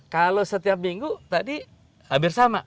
kalau setiap minggu tadi hampir sama